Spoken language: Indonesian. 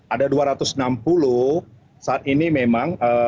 ada dua ratus enam puluh saat ini memang